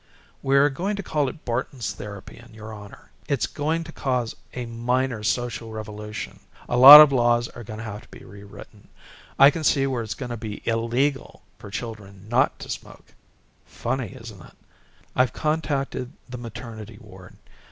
We're going to call it Barton's Therapy in your honor. It's going to cause a minor social revolution. A lot of laws are going to have to be rewritten. I can see where it's going to be illegal for children not to smoke. Funny, isn't it? "I've contacted the maternity ward.